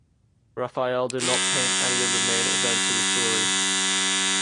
Raphael did not paint any of the main events of the story.